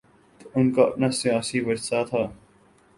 تو ان کا اپنا سیاسی ورثہ تھا۔